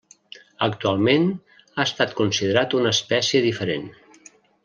Actualment ha estat considerat una espècie diferent.